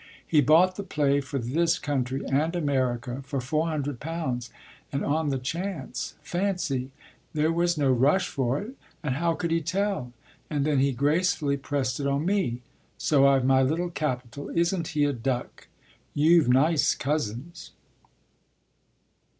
He bought the play for this country and America for four hundred pounds, and on the chance: fancy! There was no rush for it, and how could he tell? And then he gracefully pressed it on me. So I've my little capital. Isn't he a duck? You've nice cousins."